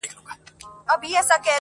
فرشتې سوې په لعنت ویلو ستړي؛